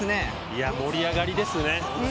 いや、盛り上がりですね。